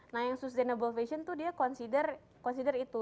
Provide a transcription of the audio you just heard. nah yang sustainable fashion tuh dia consider itu